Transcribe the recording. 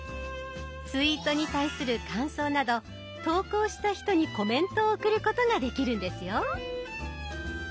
ツイートに対する感想など投稿した人にコメントを送ることができるんですよ。